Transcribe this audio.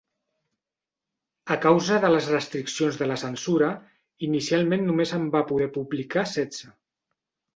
A causa de les restriccions de la censura, inicialment només en va poder publicar setze.